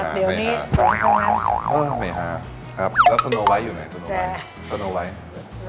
เพราะเราก็ไม่ใช่คนแค่